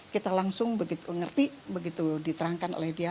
kita langsung begitu ngerti begitu diterangkan oleh dia